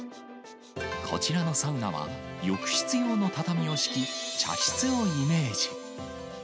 こちらのサウナは浴室用の畳を敷き、茶室をイメージ。